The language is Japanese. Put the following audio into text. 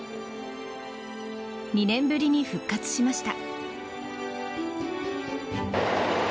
２年ぶりに復活しました。